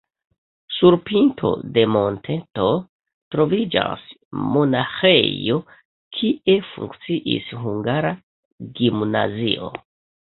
Sur pinto de monteto troviĝas monaĥejo, kie funkciis hungara gimnazio.